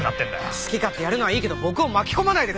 好き勝手やるのはいいけど僕を巻き込まないでください。